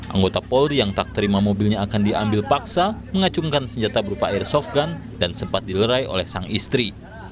anggota polri yang tak terima mobilnya akan diambil paksa mengacungkan senjata berupa airsoft gun dan sempat dilerai oleh sang istri